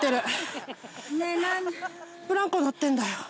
ブランコ乗ってるんだよ。